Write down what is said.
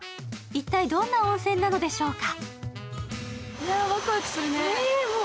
一体どんな温泉なのでしょうか。